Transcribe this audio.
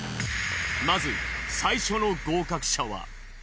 まず最初の合格者は。